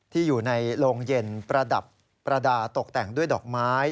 ที่อยู่ในโรงเย็นประดับประดาษตกแต่งด้วยดอกไม้